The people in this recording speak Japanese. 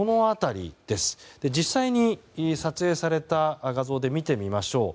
実際に撮影された画像で見てみましょう。